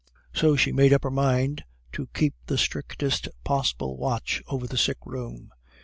"So she made up her mind to keep the strictest possible watch over the sick room.